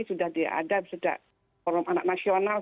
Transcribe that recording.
sudah diadap sudah forum anak nasional